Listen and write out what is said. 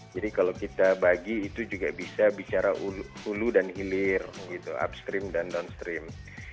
jadi kalau kita bagi itu juga bisa bicara hulu dan hilir upstream dan downstream